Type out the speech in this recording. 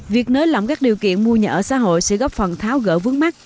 việc nới lỏng các điều kiện mua nhà ở xã hội sẽ góp phần tháo gỡ vướng mắt